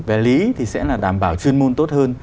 về lý thì sẽ là đảm bảo chuyên môn tốt hơn